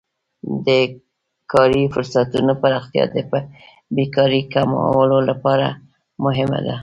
د کاري فرصتونو پراختیا د بیکارۍ کمولو لپاره مهمه ده.